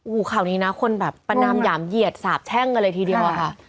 โอ้โหข่าวนี้นะคนแบบประนามหยามเหยียดสาบแช่งกันเลยทีเดียวอะค่ะ